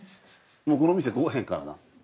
もうこの店来おへんからな？